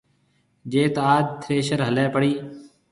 جيٿ آج ٿريشر هليَ پڙِي۔